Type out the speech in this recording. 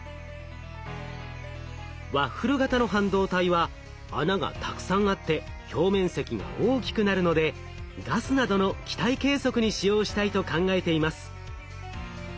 ワッフル型の半導体は穴がたくさんあって表面積が大きくなるのでガスなどの気体計測に使用したいと考えています。